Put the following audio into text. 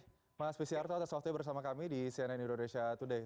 terima kasih mas fisyarto atas waktunya bersama kami di cnn indonesia today